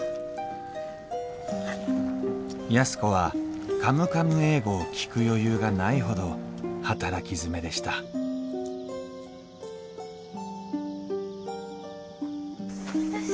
安子は「カムカム英語」を聴く余裕がないほど働き詰めでしたよし。